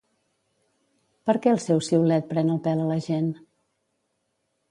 Per què el seu siulet pren el pèl a la gent?